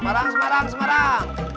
semarang semarang semarang